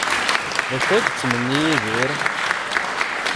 D acu ay yettmenni Yidir?